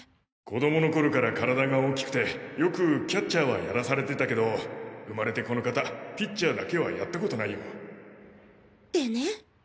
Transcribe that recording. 子供の頃から体が大きくてよくキャッチャーはやらされてたけど生まれてこの方ピッチャーだけはやったことないよってね。